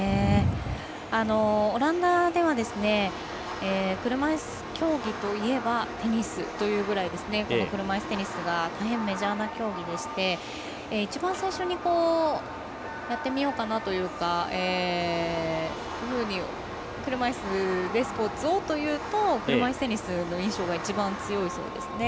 オランダでは車いす競技といえばテニスというぐらいこの車いすテニスが大変メジャーな競技でして一番最初にやってみようかなというふうに車いすで、スポーツをというと車いすテニスの印象が一番強いそうですね。